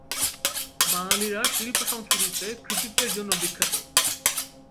বাঙালিরা শিল্প-সংস্কৃতিতে কৃতিত্বের জন্য বিখ্যাত।